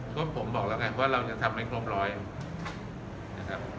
ก็ผมบอกแล้วกันว่าเราจะทำให้ครบร้อยนะครับ